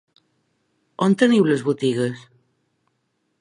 On teniu les botigues?